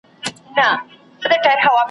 خپل شعرونه چاپ کړل ,